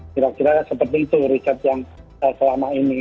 kira kira seperti itu riset yang selama ini